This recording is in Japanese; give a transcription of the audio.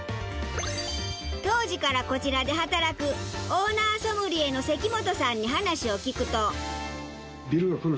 当時からこちらで働くオーナーソムリエの磧本さんに話を聞くと。